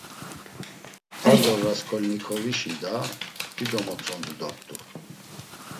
Ar do Rasǩolnikovişi da dido motzondu dort̆u.